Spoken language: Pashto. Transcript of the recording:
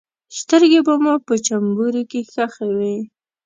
سترګې به مو په جمبوري کې ښخې وې.